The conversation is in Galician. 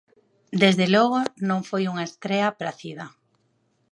Desde logo, non foi unha estrea pracida.